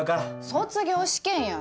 卒業試験や！